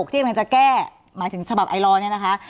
ที่กำลังจะแก้หมายถึงฉบับไอลอร์เนี่ยนะคะ